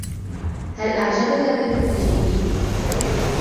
هل أعجبك بيتك الجديد؟